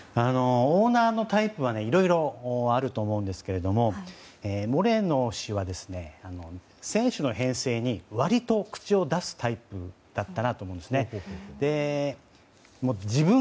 オーナーのタイプはいろいろあると思うんですがモレノ氏は選手の編成に割と口を出すタイプだったと思うんです。